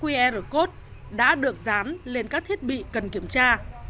qr code đã được dán lên các thiết bị cần kiểm tra